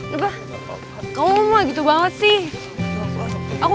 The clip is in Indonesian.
jangan kebanyakan kayak gitu kurang kurangin lah